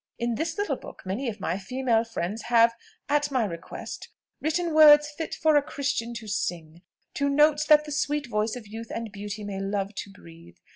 In this little book many of my female friends have, at my request, written words fit for a Christian to sing, to notes that the sweet voice of youth and beauty may love to breathe.